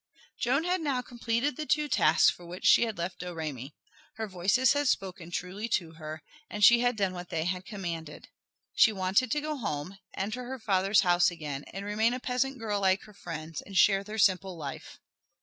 Joan had now completed the two tasks for which she had left Domremy; her voices had spoken truly to her and she had done what they had commanded. She wanted to go home, enter her father's house again, and remain a peasant girl like her friends and share their simple life.